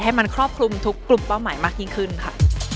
ให้มันครอบคลุมทุกกลุ่มเป้าหมายมากยิ่งขึ้นค่ะ